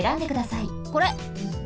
これ！